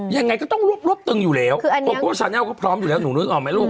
ยังไงก็ต้องรวบตึงอยู่แล้วโคโก้ชาแลลก็พร้อมอยู่แล้วหนูนึกออกไหมลูก